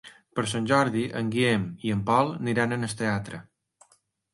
Per Sant Jordi en Guillem i en Pol iran al teatre.